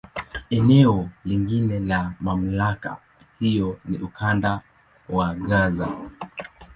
Eneo lingine la MamlakA hiyo ni Ukanda wa Gaza.